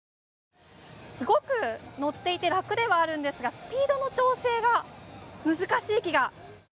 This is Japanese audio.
すごく乗っていて楽ではあるんですがスピードの調整が難しい気が。